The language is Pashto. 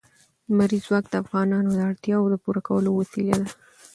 لمریز ځواک د افغانانو د اړتیاوو د پوره کولو وسیله ده.